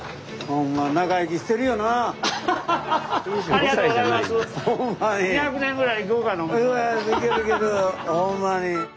ほんまに。